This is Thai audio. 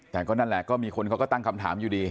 แต่ก็นั่นแหละก็มีคนเขาก็ตั้งคำถามอยู่ดี